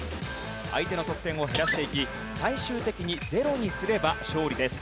相手の得点を減らしていき最終的にゼロにすれば勝利です。